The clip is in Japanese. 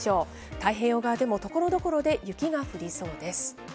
太平洋側でも、ところどころで雪が降りそうです。